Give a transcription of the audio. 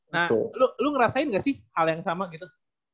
nah lo ngerasain gak sih hal yang sama gitu